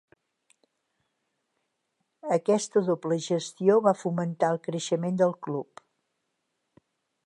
Aquesta doble gestió va fomentar el creixement del club.